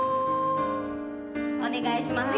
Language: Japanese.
お願いします。